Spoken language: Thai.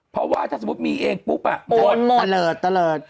เพราะว่าถ้าสมมุติมีเองปุ๊บอ่ะโอนหมด